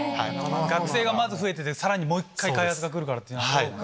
学生が増えててさらにもう１回開発が来るから。